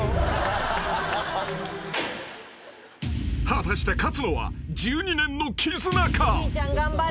［果たして勝つのは１２年の絆か？］